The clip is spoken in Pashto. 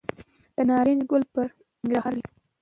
د نارنج ګل به پرننګرهار وي